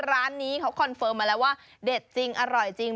ร้านนี้เขาคอนเฟิร์มมาแล้วว่าเด็ดจริงอร่อยจริง